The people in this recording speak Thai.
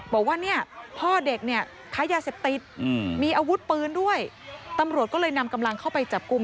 บอกว่าเนี่ยพ่อเด็กเนี่ยค้ายาเสพติดมีอาวุธปืนด้วยตำรวจก็เลยนำกำลังเข้าไปจับกลุ่ม